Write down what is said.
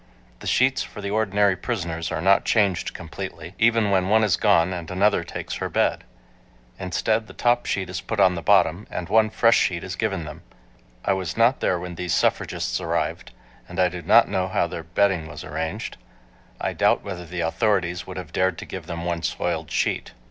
The sheets for the ordinary prisoners are not changed completely, even when one is gone and another takes her bed. Instead the top sheet is put on the bottom, and one fresh sheet is given them. I was not there when these suffragists arrived, and I do not know how their bedding was arranged. I doubt whether the authorities would have dared to give them one soiled sheet.